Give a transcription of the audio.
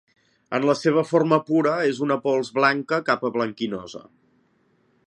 En la seva forma pura, és una pols blanca cap a blanquinosa.